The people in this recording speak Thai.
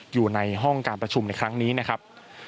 อยู่ในห้องการประชุมในครั้งนี้นะครับ